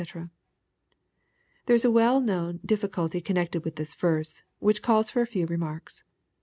] There is a well known diffi culty connected with this verse, which calls for a few remarks.